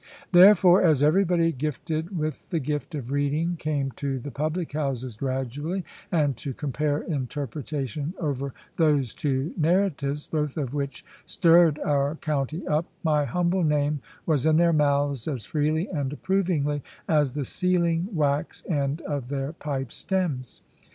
Therefore, as everybody gifted with the gift of reading came to the public houses gradually, and to compare interpretation over those two narratives, both of which stirred our county up, my humble name was in their mouths as freely and approvingly as the sealing wax end of their pipe stems.